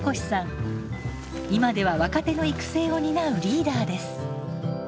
今では若手の育成を担うリーダーです。